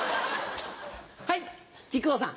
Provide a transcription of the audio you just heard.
はい木久扇さん。